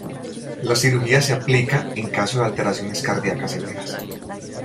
La cirugía se aplica en caso de alteraciones cardiacas severas.